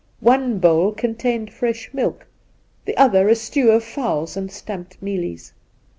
One bowl contained fresh milk, the other a stew of fowls and stamped mealies.